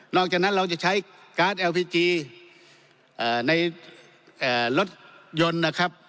นอกจากนั้นเราจะใช้การ์ดเอลพีจีเอ่อในเอ่อรถยนต์นะครับ